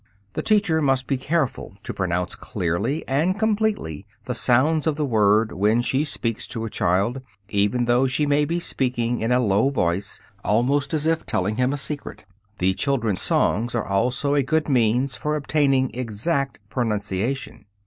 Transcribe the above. The teacher must be careful to pronounce clearly and completely the sounds of the word when she speaks to a child, even though she may be speaking in a low voice, almost as if telling him a secret. The children's songs are also a good means for obtaining exact pronunciation.